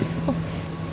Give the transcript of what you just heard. buat sama mama ya